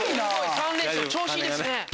３連勝調子いいですね。